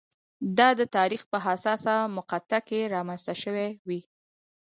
دا د تاریخ په حساسه مقطعه کې رامنځته شوې وي.